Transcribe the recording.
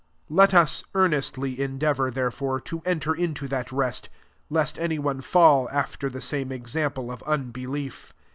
11 Let us earnestly endeavour, therefore, to enter into that rest; lest any one fall after the same example of unbelief.